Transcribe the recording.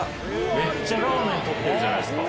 めっちゃラーメン撮ってるじゃないすか。